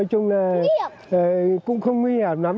nói chung là cũng không nguy hiểm lắm